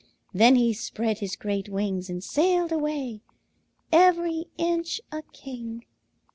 Then he spread his great wings and sailed away, every inch a king.